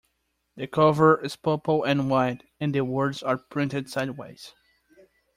The cover is purple and white, and the words are printed sideways.